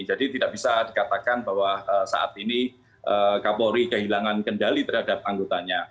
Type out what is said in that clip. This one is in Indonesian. jadi tidak bisa dikatakan bahwa saat ini kapolri kehilangan kendali terhadap anggotanya